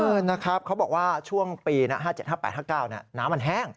นะครับเขาบอกว่าช่วงปีนะ๕๗๕๘๕๙น้ำมันแห้ง